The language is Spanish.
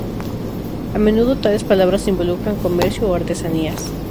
A menudo tales palabras involucran comercio o artesanías.